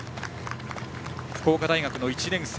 福岡大学の１年生。